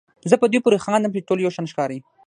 زه په دوی پورې خاندم چې ټول یو شان ښکاري.